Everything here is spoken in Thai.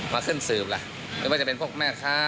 มาขึ้นสืบล่ะหรือว่าจะเป็นพวกแม่ค้า